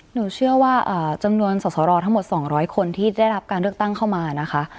หนูเชื่อว่าจำนวนสอสรทั้งหมด๒๐๐คนที่ได้รับการเลือกตั้งเข้ามานะคะ